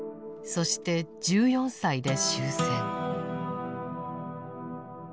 そして１４歳で終戦。